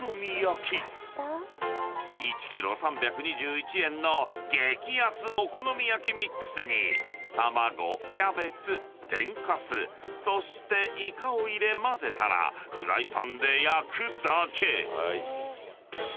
［１ｋｇ３２１円の激安お好み焼ミックスに卵キャベツ天かすそしていかを入れ交ぜたらフライパンで焼くだけ］